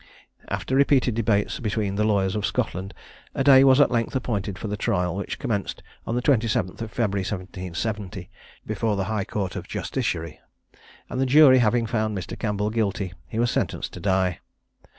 After repeated debates between the lawyers of Scotland, a day was at length appointed for the trial, which commenced on the 27th of February 1770, before the High Court of Justiciary; and, the jury having found Mr. Campbell guilty, he was sentenced to die.